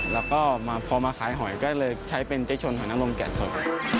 แล้วก็พอมาขายหอยก็เลยใช้เป็นเจ๊ชนหอยน้ำนมแกะสด